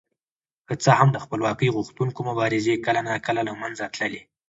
که څه هم د خپلواکۍ غوښتونکو مبارزې کله ناکله له منځه تللې.